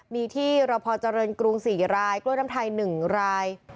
มีที่รพเจริญกรุง๔รายกล้วยน้ำไทย๑ราย